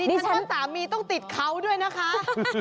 ดิฉันสามีต้องติดเขาด้วยนะคะ